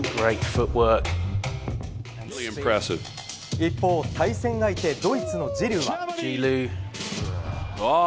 一方、対戦相手ドイツのＪｉｌｏｕは。